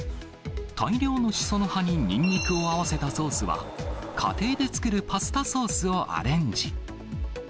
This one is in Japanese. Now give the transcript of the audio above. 大量のしその葉ににんにくを合わせたソースは、家庭で作るパスタソースをアレンジ。